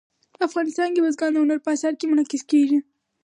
افغانستان کې بزګان د هنر په اثار کې منعکس کېږي.